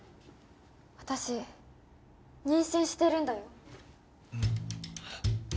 私妊娠してるんだよ。